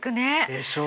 でしょう？